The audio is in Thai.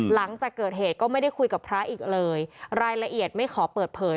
หลังจากเกิดเหตุก็ไม่ได้คุยกับพระอีกเลยรายละเอียดไม่ขอเปิดเผย